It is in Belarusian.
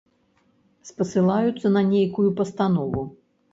Спасылаюцца на нейкую пастанову.